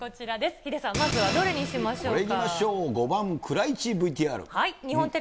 ヒデさん、まずはどれにしましょうか。